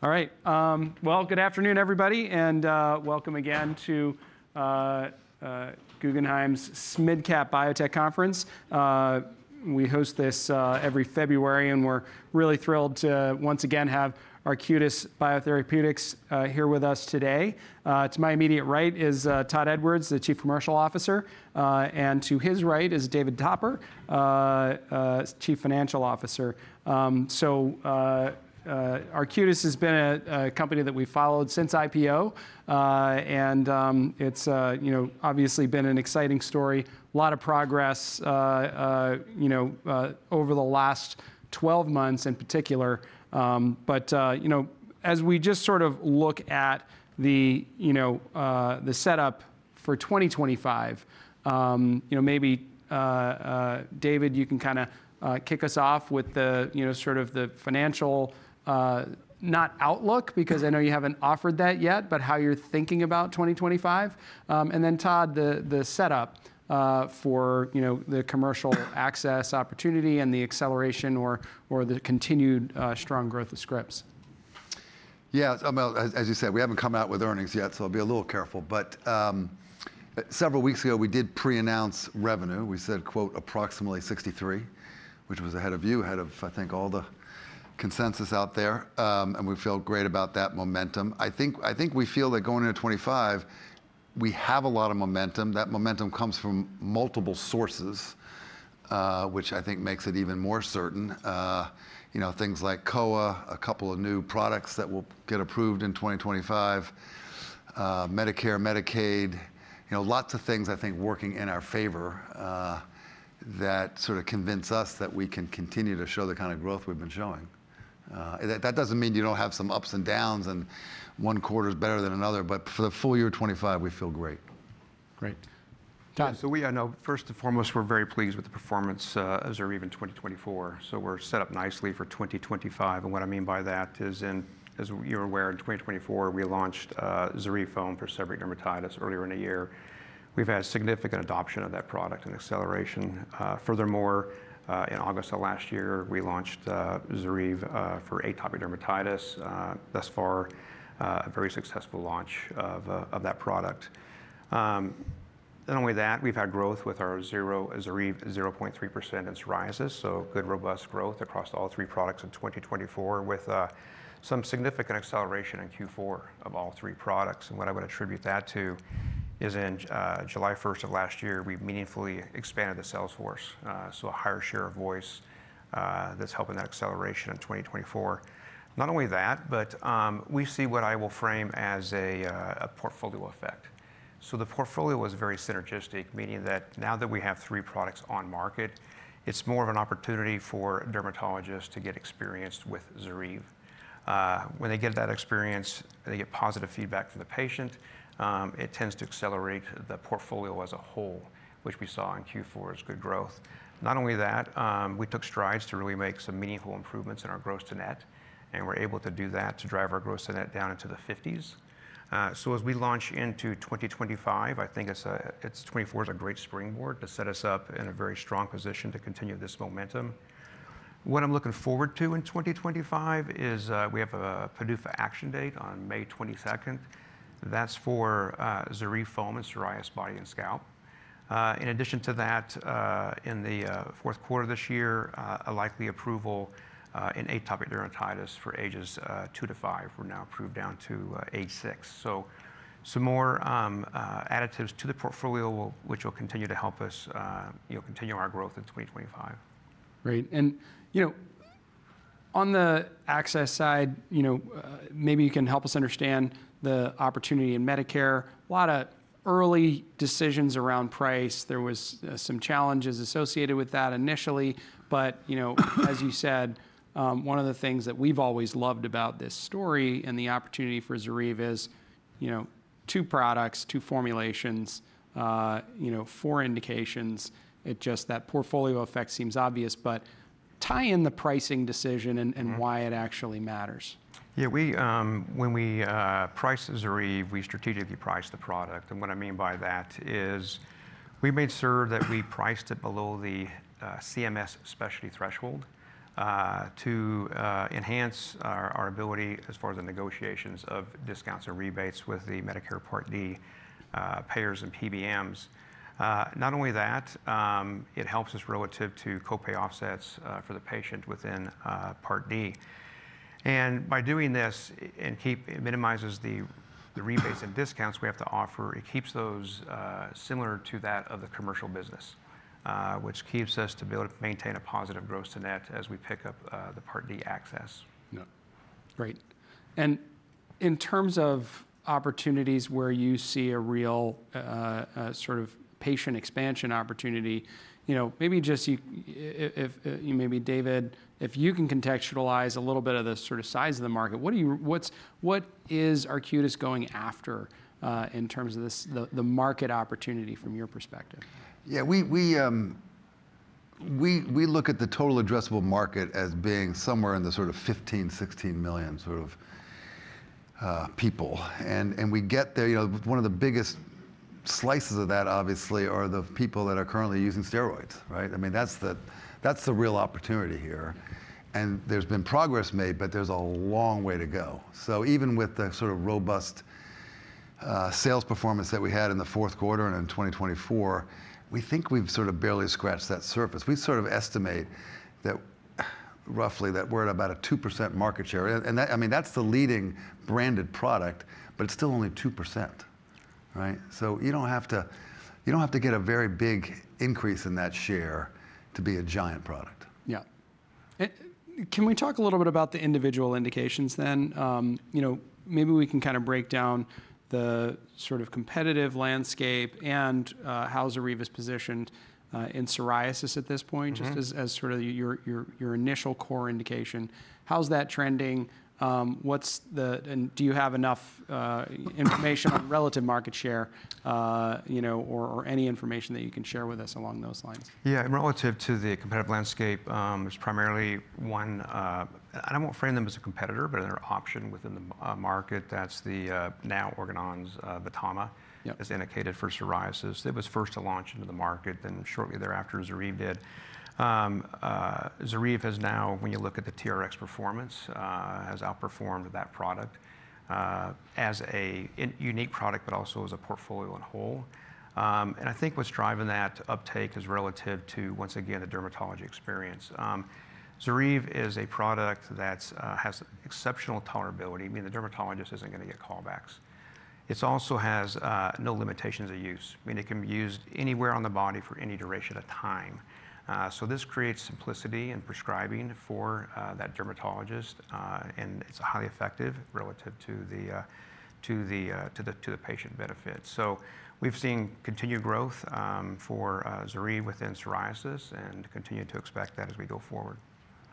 All right, well, good afternoon, everybody, and welcome again to Guggenheim SMID Cap Biotech Conference. We host this every February, and we're really thrilled to once again have Arcutis Biotherapeutics here with us today. To my immediate right is Todd Edwards, the Chief Commercial Officer, and to his right is David Topper, Chief Financial Officer, so Arcutis has been a company that we've followed since IPO, and it's obviously been an exciting story, a lot of progress over the last 12 months in particular, but as we just sort of look at the setup for 2025, maybe David, you can kind of kick us off with sort of the financial not outlook, because I know you haven't offered that yet, but how you're thinking about 2025, and then Todd, the setup for the commercial access opportunity and the acceleration or the continued strong growth of scripts. Yeah. Well, as you said, we haven't come out with earnings yet, so I'll be a little careful. But several weeks ago, we did pre-announce revenue. We said, quote, approximately $63, which was ahead of you, ahead of, I think, all the consensus out there. And we feel great about that momentum. I think we feel that going into 2025, we have a lot of momentum. That momentum comes from multiple sources, which I think makes it even more certain. Things like Kowa, a couple of new products that will get approved in 2025, Medicare, Medicaid, lots of things, I think, working in our favor that sort of convince us that we can continue to show the kind of growth we've been showing. That doesn't mean you don't have some ups and downs, and one quarter is better than another. But for the full year 2025, we feel great. Great. Todd? So first and foremost, we're very pleased with the performance of ZORYVE in 2024. So we're set up nicely for 2025. And what I mean by that is, as you're aware, in 2024, we launched ZORYVE foam for seborrheic dermatitis earlier in the year. We've had significant adoption of that product and acceleration. Furthermore, in August of last year, we launched ZORYVE for atopic dermatitis. Thus far, a very successful launch of that product. Not only that, we've had growth with our ZORYVE 0.3% in psoriasis, so good robust growth across all three products in 2024, with some significant acceleration in Q4 of all three products. And what I would attribute that to is in July 1 of last year, we meaningfully expanded the sales force, so a higher share of voice that's helping that acceleration in 2024. Not only that, but we see what I will frame as a portfolio effect. So the portfolio was very synergistic, meaning that now that we have three products on market, it's more of an opportunity for dermatologists to get experienced with ZORYVE. When they get that experience, they get positive feedback from the patient. It tends to accelerate the portfolio as a whole, which we saw in Q4 as good growth. Not only that, we took strides to really make some meaningful improvements in our gross-to-net, and we're able to do that to drive our gross-to-net down into the 50s. So as we launch into 2025, I think 2024 is a great springboard to set us up in a very strong position to continue this momentum. What I'm looking forward to in 2025 is we have a PDUFA action date on May 22. That's for ZORYVE foam and psoriasis body and scalp. In addition to that, in the fourth quarter of this year, a likely approval in atopic dermatitis for ages two to five. We're now approved down to age six, so some more additives to the portfolio, which will continue to help us continue our growth in 2025. Great. And on the access side, maybe you can help us understand the opportunity in Medicare. A lot of early decisions around price. There were some challenges associated with that initially. But as you said, one of the things that we've always loved about this story and the opportunity for ZORYVE is two products, two formulations, four indications. Just that portfolio effect seems obvious, but tie in the pricing decision and why it actually matters. Yeah. When we price ZORYVE, we strategically price the product. And what I mean by that is we made sure that we priced it below the CMS specialty threshold to enhance our ability as far as the negotiations of discounts or rebates with the Medicare Part D payers and PBMs. Not only that, it helps us relative to copay offsets for the patient within Part D. And by doing this, it minimizes the rebates and discounts we have to offer. It keeps those similar to that of the commercial business, which keeps us to maintain a positive gross-to-net as we pick up the Part D access. Great. And in terms of opportunities where you see a real sort of patient expansion opportunity, maybe just you, maybe David, if you can contextualize a little bit of the sort of size of the market, what is Arcutis going after in terms of the market opportunity from your perspective? Yeah. We look at the total addressable market as being somewhere in the sort of 15-16 million sort of people. And we get there. One of the biggest slices of that, obviously, are the people that are currently using steroids. I mean, that's the real opportunity here. And there's been progress made, but there's a long way to go. So even with the sort of robust sales performance that we had in the fourth quarter and in 2024, we think we've sort of barely scratched that surface. We sort of estimate roughly that we're at about a 2% market share. And I mean, that's the leading branded product, but it's still only 2%. So you don't have to get a very big increase in that share to be a giant product. Yeah. Can we talk a little bit about the individual indications then? Maybe we can kind of break down the sort of competitive landscape and how ZORYVE is positioned in psoriasis at this point, just as sort of your initial core indication. How's that trending? And do you have enough information on relative market share or any information that you can share with us along those lines? Yeah. In relative to the competitive landscape, there's primarily one, and I won't frame them as a competitor, but they're an option within the market. That's the now Organon's VTAMA, as indicated for psoriasis. It was first to launch into the market, then shortly thereafter ZORYVE did. ZORYVE has now, when you look at the TRx performance, has outperformed that product as a unique product, but also as a portfolio in whole. And I think what's driving that uptake is relative to, once again, the dermatology experience. ZORYVE is a product that has exceptional tolerability. I mean, the dermatologist isn't going to get callbacks. It also has no limitations of use. I mean, it can be used anywhere on the body for any duration of time. So this creates simplicity in prescribing for that dermatologist. And it's highly effective relative to the patient benefit. We've seen continued growth for ZORYVE within psoriasis and continue to expect that as we go forward.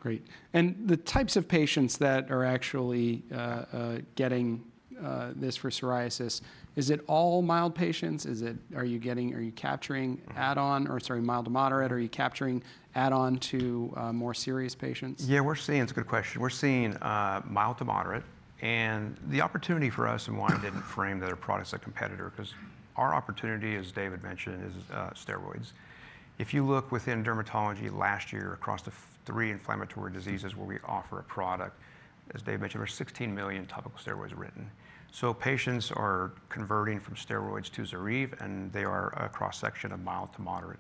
Great. And the types of patients that are actually getting this for psoriasis, is it all mild patients? Are you capturing add-on or, sorry, mild to moderate? Are you capturing add-on to more serious patients? Yeah, we're seeing. It's a good question. We're seeing mild to moderate. The opportunity for us, and why I didn't frame that our product's a competitor, is because our opportunity, as David mentioned, is steroids. If you look within dermatology last year across the three inflammatory diseases where we offer a product, as David mentioned, there were 16 million topical steroids written. So patients are converting from steroids to ZORYVE, and they are a cross-section of mild to moderate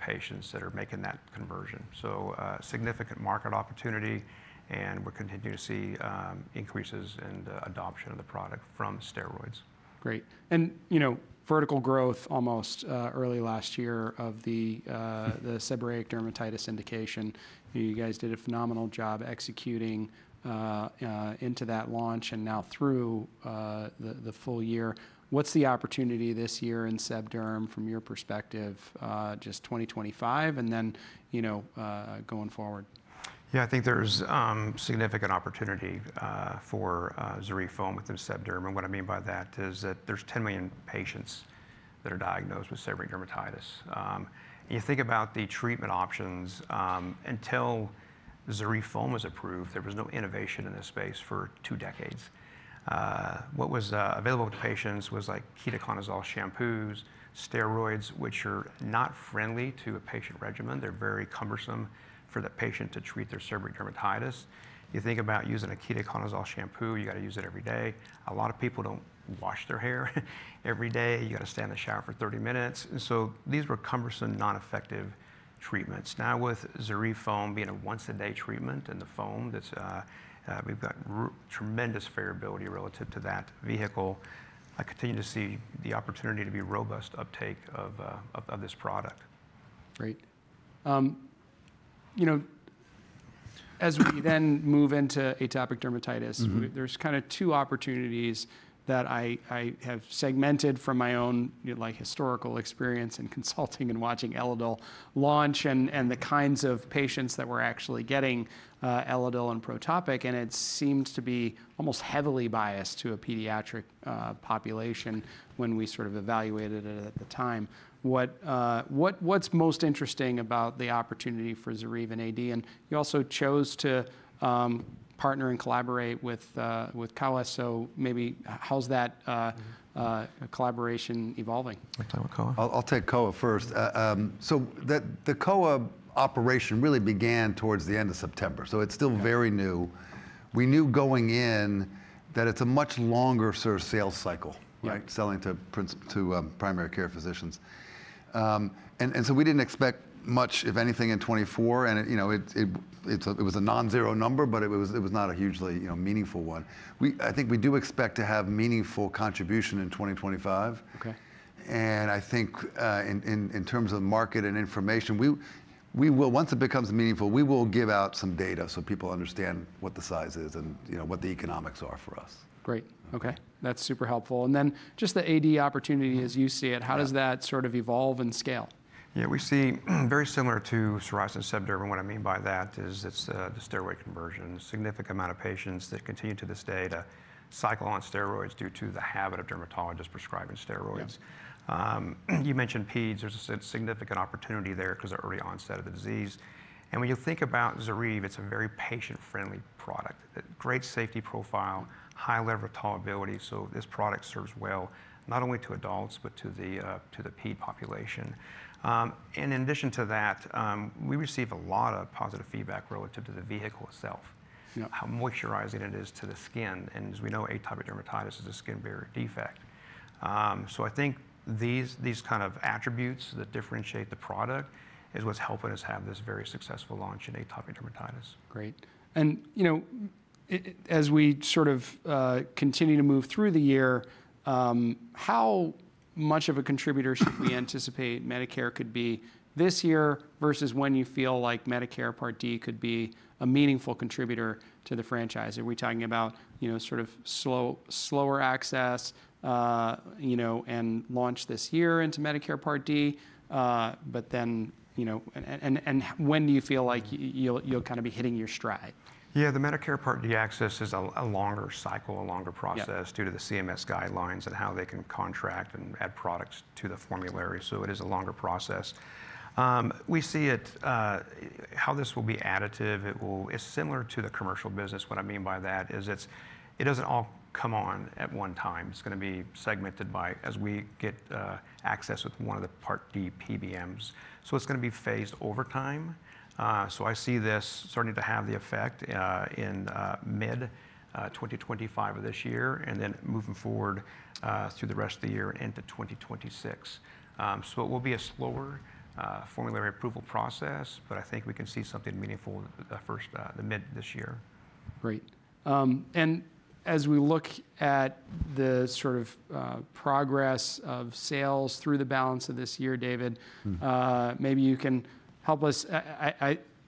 patients that are making that conversion. So significant market opportunity, and we're continuing to see increases in adoption of the product from steroids. Great and vertical growth almost early last year of the seborrheic dermatitis indication. You guys did a phenomenal job executing into that launch and now through the full year. What's the opportunity this year in seb derm from your perspective, just 2025 and then going forward? Yeah, I think there's significant opportunity for ZORYVE foam within seb derm. And what I mean by that is that there's 10 million patients that are diagnosed with seborrheic dermatitis. You think about the treatment options. Until ZORYVE foam was approved, there was no innovation in this space for two decades. What was available to patients was ketoconazole shampoos, steroids, which are not friendly to a patient regimen. They're very cumbersome for the patient to treat their seborrheic dermatitis. You think about using a ketoconazole shampoo, you got to use it every day. A lot of people don't wash their hair every day. You got to stand in the shower for 30 minutes. And so these were cumbersome, non-effective treatments. Now, with ZORYVE foam being a once-a-day treatment and the foam, we've got tremendous variability relative to that vehicle. I continue to see the opportunity to be robust uptake of this product. Great. As we then move into atopic dermatitis, there's kind of two opportunities that I have segmented from my own historical experience in consulting and watching Elidel launch and the kinds of patients that were actually getting Elidel and Protopic. And it seemed to be almost heavily biased to a pediatric population when we sort of evaluated it at the time. What's most interesting about the opportunity for Zoryve and AD? And you also chose to partner and collaborate with Kowa. So maybe how's that collaboration evolving? I'll take Kowa first. So the Kowa operation really began towards the end of September. So it's still very new. We knew going in that it's a much longer sales cycle, selling to primary care physicians. And so we didn't expect much, if anything, in 2024. And it was a non-zero number, but it was not a hugely meaningful one. I think we do expect to have meaningful contribution in 2025. And I think in terms of market and information, once it becomes meaningful, we will give out some data so people understand what the size is and what the economics are for us. Great. Okay. That's super helpful, and then just the AD opportunity as you see it, how does that sort of evolve and scale? Yeah. We see very similar to psoriasis and seb derm. And what I mean by that is it's the steroid conversion. Significant amount of patients that continue to this day to cycle on steroids due to the habit of dermatologists prescribing steroids. You mentioned peds. There's a significant opportunity there because of the early onset of the disease. And when you think about ZORYVE, it's a very patient-friendly product. Great safety profile, high level of tolerability. So this product serves well not only to adults, but to the ped population. And in addition to that, we receive a lot of positive feedback relative to the vehicle itself, how moisturizing it is to the skin. And as we know, atopic dermatitis is a skin barrier defect. So I think these kind of attributes that differentiate the product is what's helping us have this very successful launch in atopic dermatitis. Great. And as we sort of continue to move through the year, how much of a contributor should we anticipate Medicare could be this year versus when you feel like Medicare Part D could be a meaningful contributor to the franchise? Are we talking about sort of slower access and launch this year into Medicare Part D? And when do you feel like you'll kind of be hitting your stride? Yeah. The Medicare Part D access is a longer cycle, a longer process due to the CMS guidelines and how they can contract and add products to the formulary, so it is a longer process. We see how this will be additive. It's similar to the commercial business. What I mean by that is it doesn't all come on at one time. It's going to be segmented by as we get access with one of the Part D PBMs, so it's going to be phased over time, so I see this starting to have the effect in mid-2025 of this year and then moving forward through the rest of the year into 2026, so it will be a slower formulary approval process, but I think we can see something meaningful by the mid this year. Great. And as we look at the sort of progress of sales through the balance of this year, David, maybe you can help us.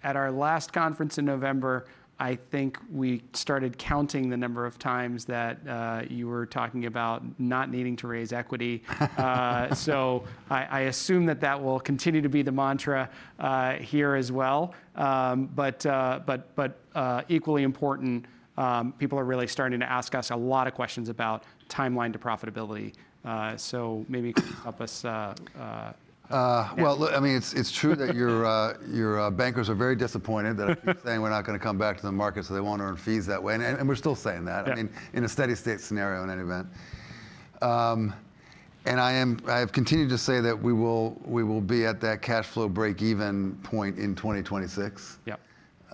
At our last conference in November, I think we started counting the number of times that you were talking about not needing to raise equity. So I assume that that will continue to be the mantra here as well. But equally important, people are really starting to ask us a lot of questions about timeline to profitability. So maybe you can help us. Well, I mean, it's true that your bankers are very disappointed that we're saying we're not going to come back to the market. So they want to earn fees that way. And we're still saying that. I mean, in a steady state scenario in any event. And I have continued to say that we will be at that cash flow break-even point in 2026.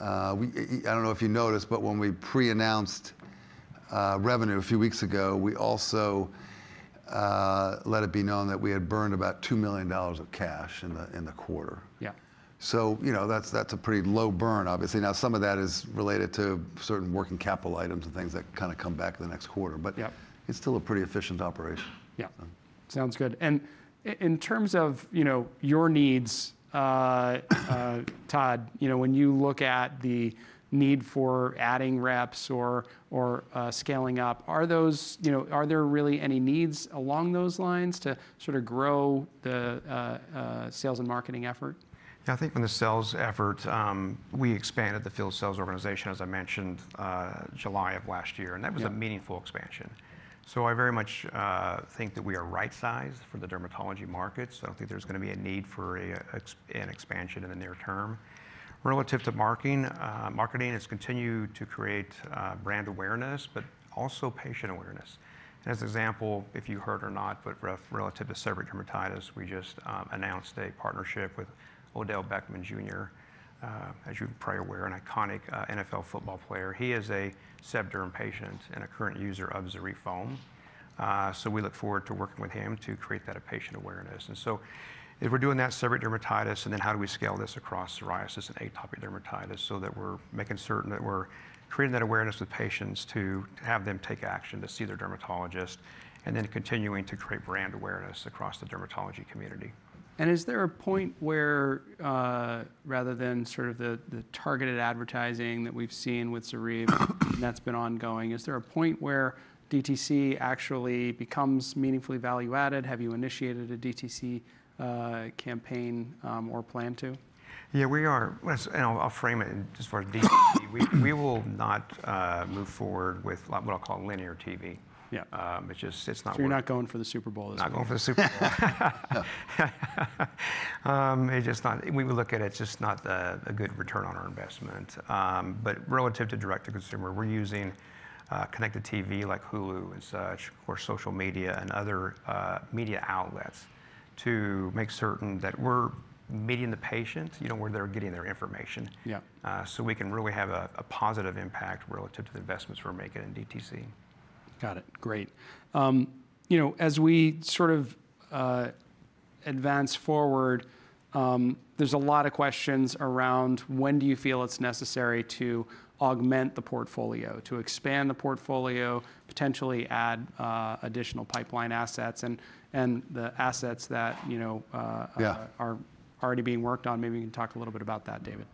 I don't know if you noticed, but when we pre-announced revenue a few weeks ago, we also let it be known that we had burned about $2 million of cash in the quarter. So that's a pretty low burn, obviously. Now, some of that is related to certain working capital items and things that kind of come back the next quarter. But it's still a pretty efficient operation. Yeah. Sounds good. And in terms of your needs, Todd, when you look at the need for adding reps or scaling up, are there really any needs along those lines to sort of grow the sales and marketing effort? Yeah. I think in the sales effort, we expanded the field sales organization, as I mentioned, July of last year, and that was a meaningful expansion, so I very much think that we are right-sized for the dermatology market, so I don't think there's going to be a need for an expansion in the near term. Relative to marketing, it's continued to create brand awareness, but also patient awareness. As an example, if you heard or not, but relative to seborrheic dermatitis, we just announced a partnership with Odell Beckham Jr., as you're probably aware, an iconic NFL football player. He is a seb derm patient and a current user of ZORYVE foam, so we look forward to working with him to create that patient awareness. And so if we're doing that seborrheic dermatitis, and then how do we scale this across psoriasis and atopic dermatitis, so that we're making certain that we're creating that awareness with patients to have them take action to see their dermatologist, and then continuing to create brand awareness across the dermatology community. Is there a point where, rather than sort of the targeted advertising that we've seen with ZORYVE that's been ongoing, is there a point where DTC actually becomes meaningfully value-added? Have you initiated a DTC campaign or plan to? Yeah, we are. And I'll frame it just for DTC. We will not move forward with what I'll call linear TV. It's not working. So you're not going for the Super Bowl? Not going for the Super Bowl. We will look at it as just not a good return on our investment, but relative to direct-to-consumer, we're using connected TV like Hulu and such, of course, social media and other media outlets to make certain that we're meeting the patient, where they're getting their information, so we can really have a positive impact relative to the investments we're making in DTC. Got it. Great. As we sort of advance forward, there's a lot of questions around when do you feel it's necessary to augment the portfolio, to expand the portfolio, potentially add additional pipeline assets and the assets that are already being worked on. Maybe you can talk a little bit about that, David.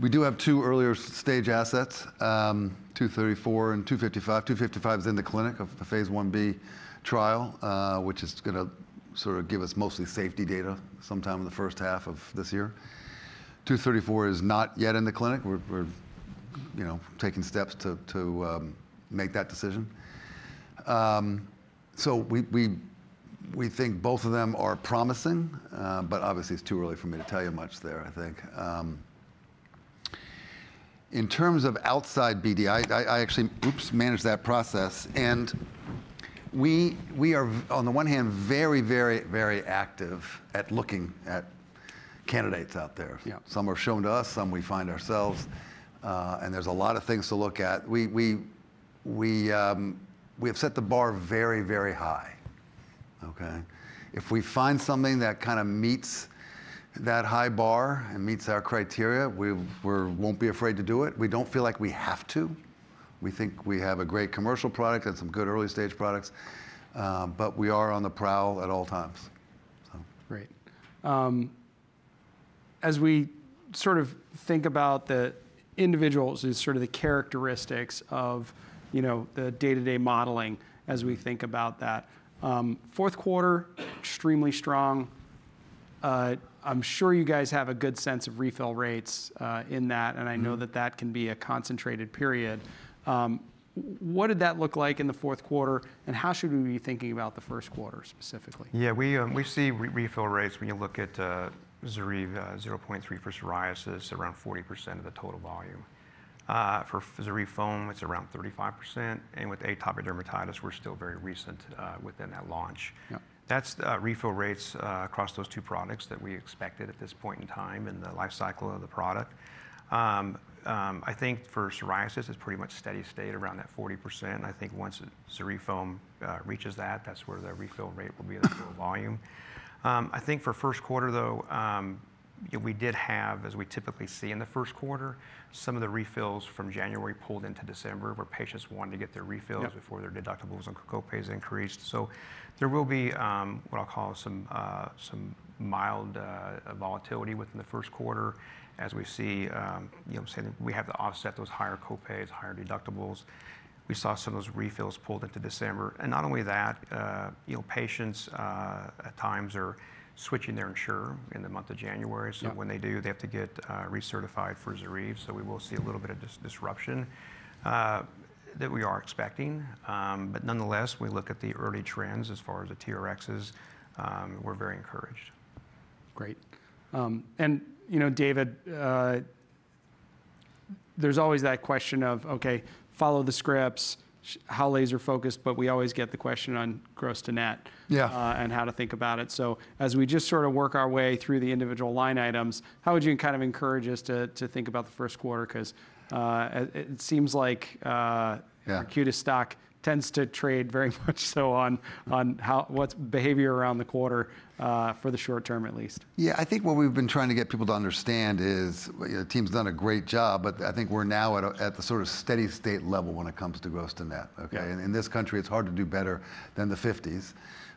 We do have two earlier stage assets, 234 and 255. 255 is in the clinic of the Phase 1b trial, which is going to sort of give us mostly safety data sometime in the first half of this year. 234 is not yet in the clinic. We're taking steps to make that decision. We think both of them are promising, but obviously, it's too early for me to tell you much there, I think. In terms of outside BD, I actually manage that process. We are, on the one hand, very, very, very active at looking at candidates out there. Some are shown to us, some we find ourselves. There's a lot of things to look at. We have set the bar very, very high. If we find something that kind of meets that high bar and meets our criteria, we won't be afraid to do it. We don't feel like we have to. We think we have a great commercial product and some good early stage products. But we are on the prowl at all times. Great. As we sort of think about the individuals, sort of the characteristics of the day-to-day modeling as we think about that, fourth quarter, extremely strong. I'm sure you guys have a good sense of refill rates in that, and I know that that can be a concentrated period. What did that look like in the fourth quarter, and how should we be thinking about the first quarter specifically? Yeah. We see refill rates when you look at ZORYVE 0.3% for psoriasis around 40% of the total volume. For ZORYVE foam, it's around 35%. With atopic dermatitis, we're still very recent within that launch. That's refill rates across those two products that we expected at this point in time in the life cycle of the product. I think for psoriasis, it's pretty much steady state around that 40%. I think once ZORYVE foam reaches that, that's where the refill rate will be at the full volume. I think for first quarter, though, we did have, as we typically see in the first quarter, some of the refills from January pulled into December where patients wanted to get their refills before their deductibles and co-pays increased. So there will be what I'll call some mild volatility within the first quarter as we see we have to offset those higher co-pays, higher deductibles. We saw some of those refills pulled into December. And not only that, patients at times are switching their insurer in the month of January. So when they do, they have to get recertified for ZORYVE. So we will see a little bit of disruption that we are expecting. But nonetheless, when we look at the early trends as far as the TRx, we're very encouraged. Great. And David, there's always that question of, okay, follow the scripts, how laser-focused, but we always get the question on gross-to-net and how to think about it. So as we just sort of work our way through the individual line items, how would you kind of encourage us to think about the first quarter? Because it seems like Arcutis stock tends to trade very much so on what's behavior around the quarter for the short term, at least. Yeah. I think what we've been trying to get people to understand is the team's done a great job, but I think we're now at the sort of steady state level when it comes to gross-to-net. In this country, it's hard to do better than the 50s,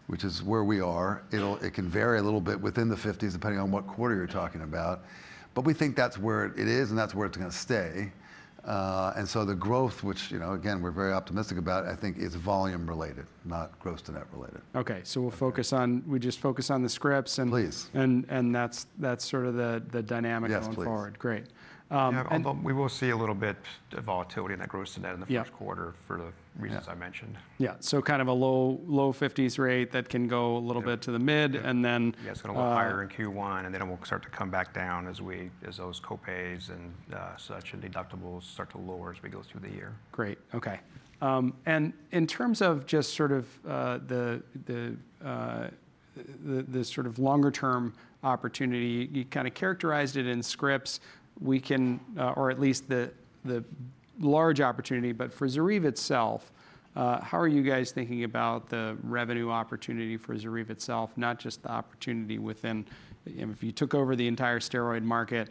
which is where we are. It can vary a little bit within the 50s depending on what quarter you're talking about, but we think that's where it is and that's where it's going to stay, and so the growth, which, again, we're very optimistic about, I think is volume-related, not gross-to-net related. Okay. So we'll just focus on the scripts. Please. That's sort of the dynamic going forward. Yes, please. Great. We will see a little bit of volatility in that gross-to-net in the first quarter for the reasons I mentioned. Yeah. So, kind of a low 50s rate that can go a little bit to the mid, and then. Yes. It'll go higher in Q1. And then it will start to come back down as those co-pays and such and deductibles start to lower as we go through the year. Great. Okay. And in terms of just sort of the longer-term opportunity, you kind of characterized it in scripts, or at least the large opportunity. But for ZORYVE itself, how are you guys thinking about the revenue opportunity for ZORYVE itself, not just the opportunity within? If you took over the entire steroid market,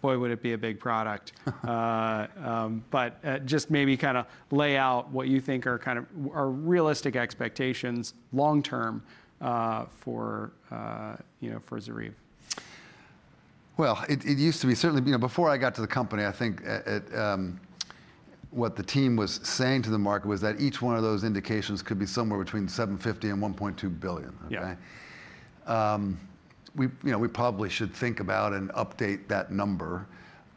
boy, would it be a big product. But just maybe kind of lay out what you think are kind of realistic expectations long-term for ZORYVE. It used to be certainly before I got to the company. I think what the team was saying to the market was that each one of those indications could be somewhere between $750 million and $1.2 billion. We probably should think about and update that number.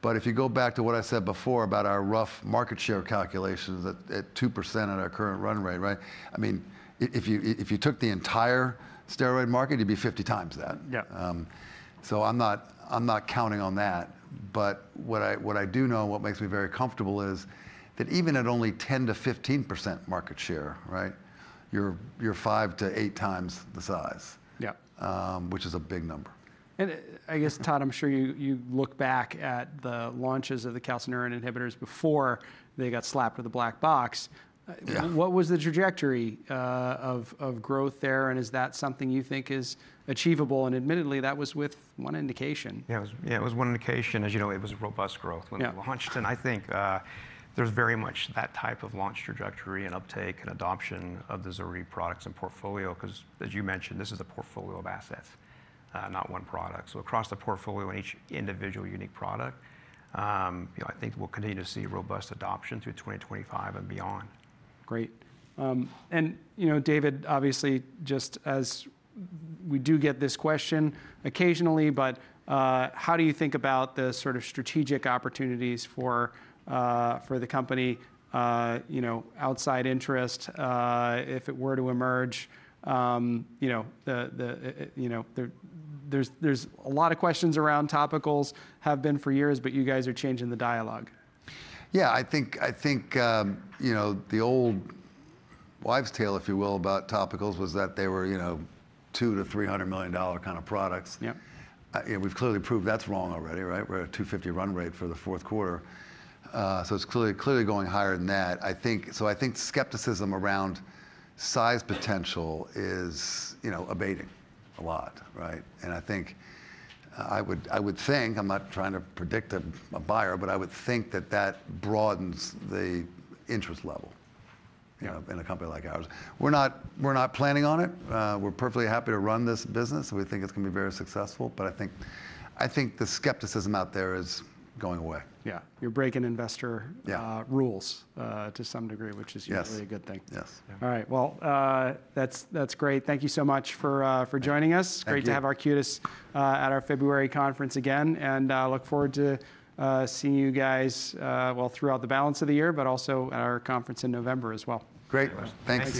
But if you go back to what I said before about our rough market share calculations at 2% at our current run rate, I mean, if you took the entire steroid market, you'd be 50 times that. So I'm not counting on that. But what I do know, what makes me very comfortable is that even at only 10%-15% market share, you're 5%-% times the size, which is a big number. I guess, Todd, I'm sure you look back at the launches of the calcineurin inhibitors before they got slapped with the black box. What was the trajectory of growth there? Is that something you think is achievable? Admittedly, that was with one indication. Yeah. It was one indication. As you know, it was robust growth when we launched. And I think there's very much that type of launch trajectory and uptake and adoption of the ZORYVE products and portfolio. Because as you mentioned, this is a portfolio of assets, not one product. So across the portfolio and each individual unique product, I think we'll continue to see robust adoption through 2025 and beyond. Great. And David, obviously, just as we do get this question occasionally, but how do you think about the sort of strategic opportunities for the company, outside interest, if it were to emerge? There's a lot of questions around topicals have been for years, but you guys are changing the dialogue. Yeah. I think the old wives' tale, if you will, about topicals was that they were $200 million-$300 million kind of products. We've clearly proved that's wrong already. We're at a $250 million run rate for the fourth quarter. So it's clearly going higher than that. So I think skepticism around size potential is abating a lot. And I would think, I'm not trying to predict a buyer, but I would think that that broadens the interest level in a company like ours. We're not planning on it. We're perfectly happy to run this business. We think it's going to be very successful. But I think the skepticism out there is going away. Yeah. You're breaking investor rules to some degree, which is usually a good thing. Yes. All right. Well, that's great. Thank you so much for joining us. Thank you. Great to have Arcutis at our February conference again, and I look forward to seeing you guys throughout the balance of the year, but also at our conference in November as well. Great. Thanks.